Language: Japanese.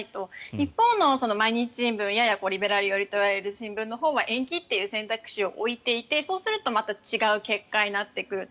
一方の毎日新聞ややリベラル寄りといわれる新聞のほうは延期という選択肢を置いていてそうするとまた違う結果になってくると。